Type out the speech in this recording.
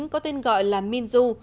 có tên gọi là minju